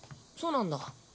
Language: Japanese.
そうなんだ。